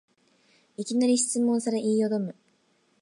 いきなり質問され言いよどむ